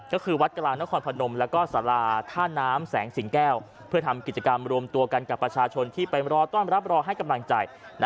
ก็คือวัดกลางนครพนมแล้วก็สาราท่าน้ำแสงสิงแก้วเพื่อทำกิจกรรมรวมตัวกันกับประชาชนที่ไปรอต้อนรับรอให้กำลังใจ